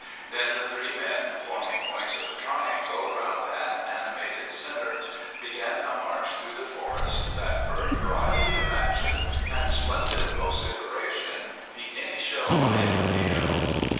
Then the three men, forming points of a triangle around an animated center, began a march through the forest that for variety of action and splendid vociferation beat any show I ever beheld.